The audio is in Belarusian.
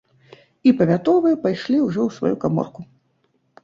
І павятовыя пайшлі ўжо ў сваю каморку.